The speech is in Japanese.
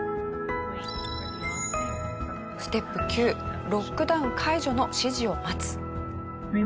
ステップ９ロックダウン解除の指示を待つ。